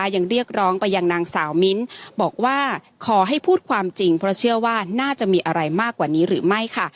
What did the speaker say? เรียกร้องไปยังนางสาวมิ้นบอกว่าขอให้พูดความจริงเพราะเชื่อว่าน่าจะมีอะไรมากกว่านี้หรือไม่